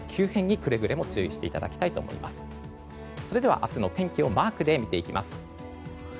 それでは明日の天気をマークで見ていきます。